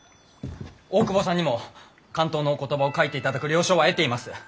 大窪さんにも巻頭のお言葉を書いていただく了承は得ています。